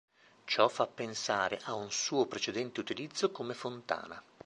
Ciò fa pensare a un suo precedente utilizzo come fontana.